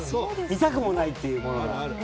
見たくもないっていうものが。